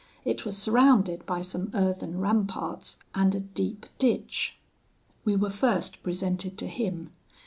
It was surrounded by some earthen ramparts, and a deep ditch. "We were first presented to him.